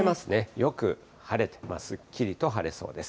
よく晴れて、すっきりと晴れそうです。